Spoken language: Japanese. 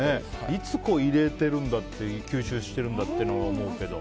いつ、入れてるんだって吸収してるんだって思うけど。